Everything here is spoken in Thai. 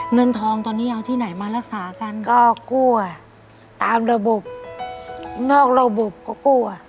เงินทองตอนนี้เอาที่ไหนมารักษากันก็กู้อ่ะตามระบบนอกระบบก็กลัว